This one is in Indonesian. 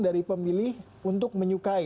dari pemilih untuk menyukai